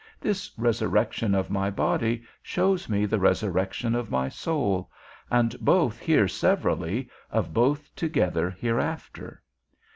This resurrection of my body shows me the resurrection of my soul; and both here severally, of both together hereafter.